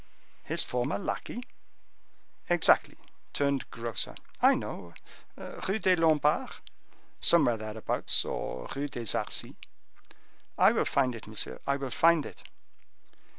"His former lackey?" "Exactly; turned grocer." "I know; Rue des Lombards?" "Somewhere thereabouts, or Rue des Arcis." "I will find it, monsieur—I will find it."